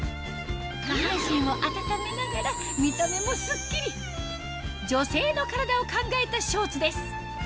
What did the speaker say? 下半身をあたためながら見た目もスッキリ女性の体を考えたショーツです